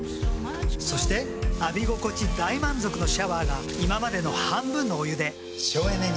そして浴び心地大満足のシャワーが今までの半分のお湯で省エネに。